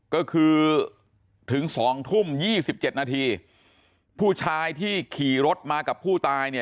ก็คือถึง๒ทุ่ม๒๗นาทีผู้ชายที่ขี่รถมากับผู้ตายเนี่ย